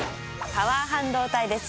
パワー半導体です。